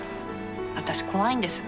私怖いんです。